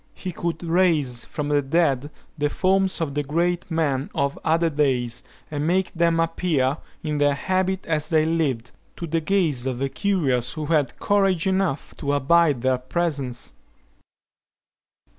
He could raise from the dead the forms of the great men of other days, and make them appear, "in their habit as they lived," to the gaze of the curious who had courage enough to abide their presence.